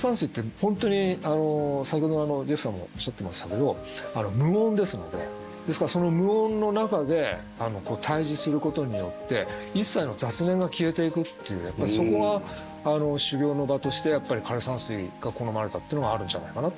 本当に先ほどジェフさんもおっしゃってましたけど無音ですのでですからその無音の中で対峙することによって一切の雑念が消えていくっていうやっぱりそこが修行の場としてやっぱり枯山水が好まれたっていうのがあるんじゃないかなってふうに。